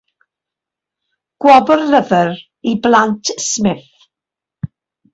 Gwobr Lyfr i Blant Smith.